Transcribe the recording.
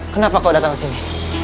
kenapa kau datang kesini